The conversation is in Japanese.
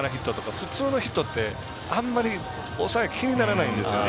普通のヒットってあまり気にならないんですよね。